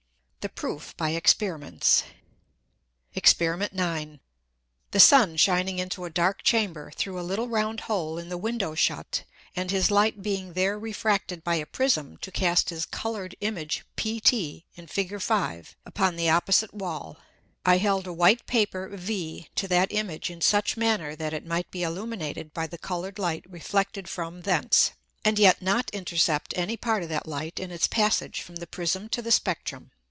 _ The PROOF by Experiments. Exper. 9. The Sun shining into a dark Chamber through a little round hole in the Window shut, and his Light being there refracted by a Prism to cast his coloured Image PT [in Fig. 5.] upon the opposite Wall: I held a white Paper V to that image in such manner that it might be illuminated by the colour'd Light reflected from thence, and yet not intercept any part of that Light in its passage from the Prism to the Spectrum.